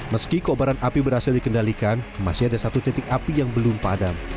meski kobaran api berhasil dikendalikan masih ada satu titik api yang belum padam